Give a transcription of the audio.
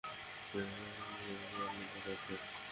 কিন্তু আমি তো লন্ডন থেকে আসলাম।